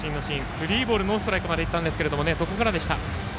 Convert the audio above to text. スリーボールノーストライクまでいったんですけれどもそこからでした。